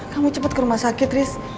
kamu cepet ke rumah sakit riz